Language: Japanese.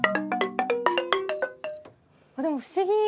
でも不思議。